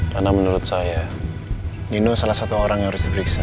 karena menurut saya nino salah satu orang yang harus diperiksa